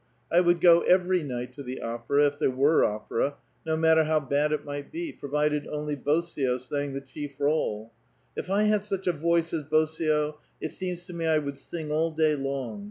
1 would go every night to the opera, if there were oi>era, no matter how bad it might be, provided only Bosio sang the chief r61e ; if I had such a voice as Uosio, it seems to me I would sing all day long.